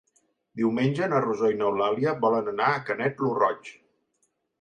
Diumenge na Rosó i n'Eulàlia volen anar a Canet lo Roig.